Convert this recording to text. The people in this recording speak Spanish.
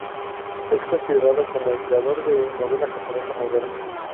Es considerado como el creador de novela japonesa moderna.